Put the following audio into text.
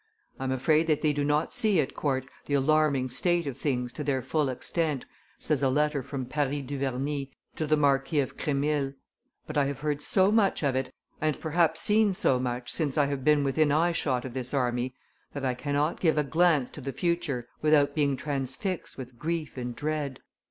I'm afraid that they do not see at court the alarming state of things to their full extent," says a letter from Paris Duverney to the Marquis of Cremille, "but I have heard so much of it, and perhaps seen so much since I have been within eyeshot of this army, that I cannot give a glance at the future without being transfixed with grief and dread.